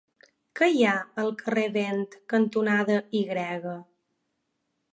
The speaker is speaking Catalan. Què hi ha al carrer Vent cantonada Y?